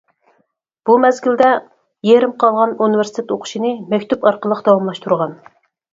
بۇ مەزگىلدە، يېرىم قالغان ئۇنىۋېرسىتېت ئوقۇشىنى مەكتۇپ ئارقىلىق داۋاملاشتۇرغان.